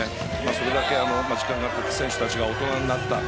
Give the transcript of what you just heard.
それだけ時間が経って選手たちが大人になった。